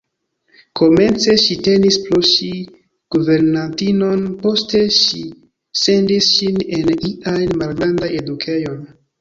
Komence ŝi tenis por ŝi guvernantinon, poste ŝi sendis ŝin en ian malgrandan edukejon.